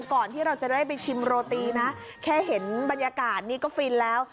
ก่อนที่เราจะได้ไปชิมโรตีนะแค่เห็นบรรยากาศนี่ก็ฟินแล้ว